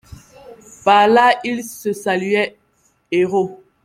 Par là il se saluait héros.